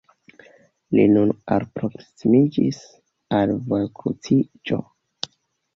li nun alproksimiĝis al vojkruciĝo.